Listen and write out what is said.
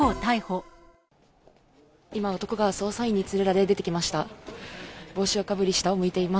今、男が捜査員に連れられ、出てきました。